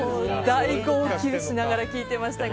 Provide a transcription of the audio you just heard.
大号泣しながら聴いてました。